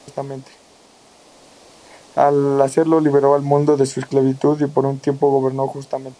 Al hacerlo liberó al mundo de su esclavitud y por un tiempo gobernó justamente.